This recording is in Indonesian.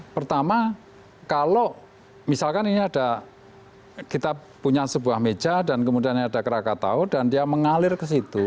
pertama kalau misalkan ini ada kita punya sebuah meja dan kemudian ada krakatau dan dia mengalir ke situ